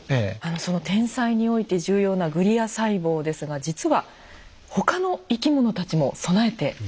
その天才において重要なグリア細胞ですが実は他の生き物たちも備えているんです。